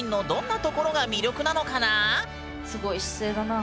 すごい姿勢だなあ。